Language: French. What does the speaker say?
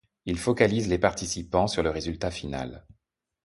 Il focalise les participants sur le résultat final.